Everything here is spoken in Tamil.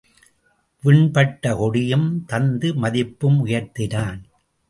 விண்பட்ட கொடியும் தந்து மதிப்பு உயர்த்தினான்.